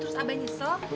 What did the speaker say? terus abah nyesel